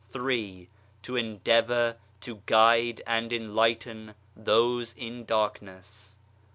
3. To endeavour to guide and enlighten those in darkness.